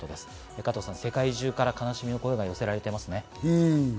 加藤さん、世界中から悲しみの声が寄せられていますね。